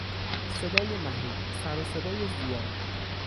صدای مهیب، سروصدای زیاد